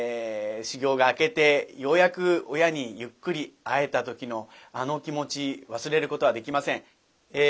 修業が明けてようやく親にゆっくり会えた時のあの気持ち忘れることはできません。